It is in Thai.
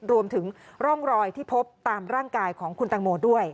รวมถึงร่องรอยที่พบตามร่างกายของคุณตังโมด้วย